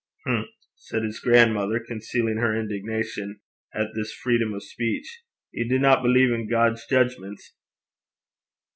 'Hm!' said his grandmother, concealing her indignation at this freedom of speech, 'ye dinna believe in God's judgments!'